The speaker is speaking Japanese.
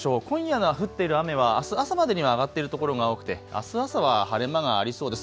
今夜、降ってる雨はあす朝までには上がっている所が多くてあす朝は晴れ間がありそうです。